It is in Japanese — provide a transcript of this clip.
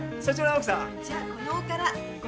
じゃあこの「おから」５００